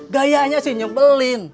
gayanya sih nyobelin